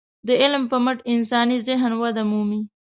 د علم په مټ انساني ذهن وده مومي.